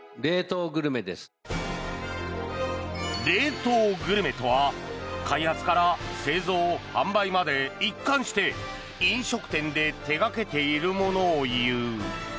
冷凍グルメとは開発から製造・販売まで一貫して、飲食店で手掛けているものを言う。